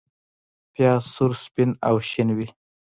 پیاز سور، سپین او شین وي